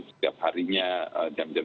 setiap harinya jam jam